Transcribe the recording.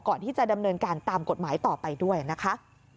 ก่อนที่จะดำเนินการตามกฎหมายต่อไปด้วยนะคะ